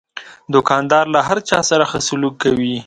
دوکاندار له هر چا سره ښه سلوک کوي.